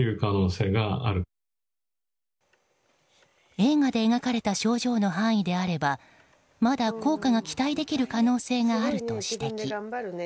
映画で描かれた症状の範囲であればまだ効果が期待できる可能性があると指摘。